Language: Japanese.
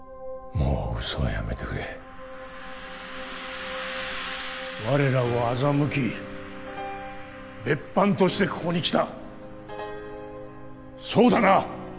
もう嘘はやめてくれ我らを欺き別班としてここに来たそうだな？